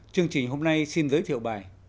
chương trình hôm nay xin giới thiệu bài